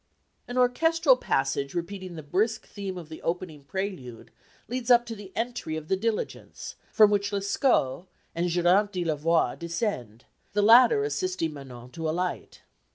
An orchestral passage repeating the brisk theme of the opening prelude leads up to the entry of the diligence, from which Lescaut and Geronte di Lavoir descend, the latter assisting Manon to alight.